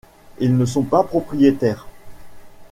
Ils ne sont pas propriétaires.